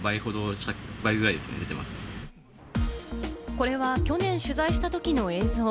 これは去年取材したときの映像。